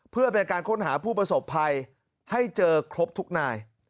เพื่อเป็นการค้นหาผู้ประสบภัยให้เจอครบทุกนาย